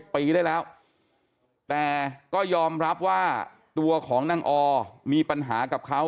ปีได้แล้วแต่ก็ยอมรับว่าตัวของนางอมีปัญหากับเขา